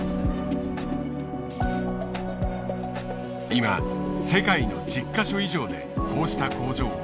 今世界の１０か所以上でこうした工場を建設。